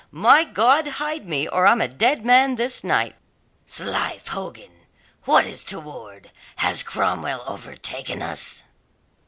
"My God, hide me, or I'm a dead man this night!" "'Slife, Hogan! What is toward? Has Cromwell overtaken us?"